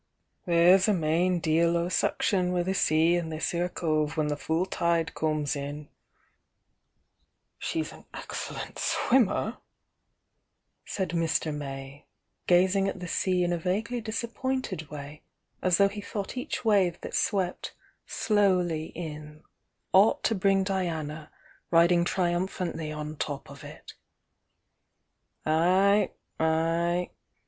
"There's a main dea] Suction with the sea in this 'ere cove when full tide cooms in " THE YOUNG DIANA 07 "She's an excellent swimmer," said Mr. May, gaz ing at the sea in a vaguely disappointed way, as though he thought each wave that swept slowly in ought to bring Diana riding triumphantly on top of it "Ay, ay!